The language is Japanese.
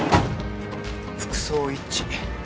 服装一致